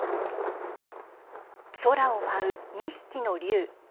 空を舞う２匹の竜。